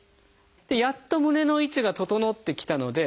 やっと胸の位置が整ってきたので。